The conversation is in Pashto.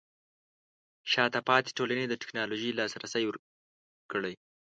شاته پاتې ټولنې ته د ټیکنالوژۍ لاسرسی ورکړئ.